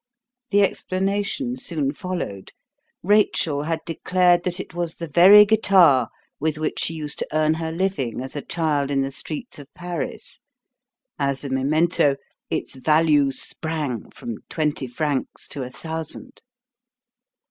The explanation soon followed. Rachel had declared that it was the very guitar with which she used to earn her living as a child in the streets of Paris. As a memento its value sprang from twenty francs to a thousand.